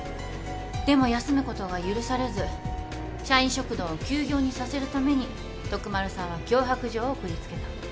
でも休むことが許されず社員食堂を休業にさせるために徳丸さんは脅迫状を送りつけた。